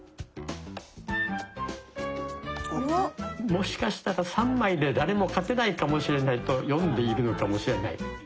もしかしたら３枚で誰も勝てないかもしれないと読んでいるのかもしれない。